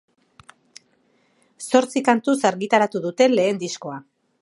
Zortzi kantuz argitaratu dute lehen diskoa.